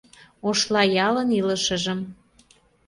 Ошла ялын илышыжым